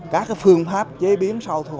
các phương pháp chế biến sau